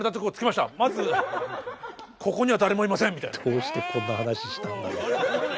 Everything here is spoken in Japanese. どうしてこんな話したんだろう。